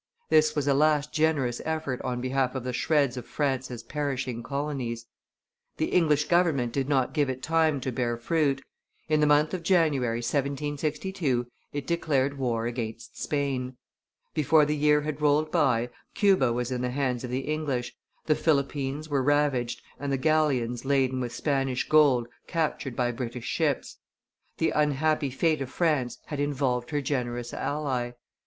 This was a last generous effort on behalf of the shreds of France's perishing colonies. The English government did not give it time to bear fruit; in the month of January, 1762, it declared war against Spain. Before the year had rolled by, Cuba was in the hands of the English, the Philippines were ravaged and the galleons laden with Spanish gold captured by British ships. The unhappy fate of France had involved her generous ally.